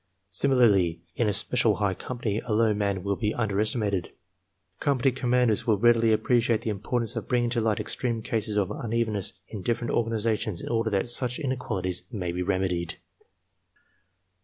Similarly, in a specially high company a low man will be underestimated. Company commanders will readily appreciate the importance of bringing to light extreme cases of unevenness in different organizations in order that such inequalities may be remedied.